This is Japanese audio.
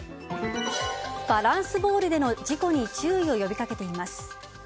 バランスボールでの事故に注意を呼び掛けています。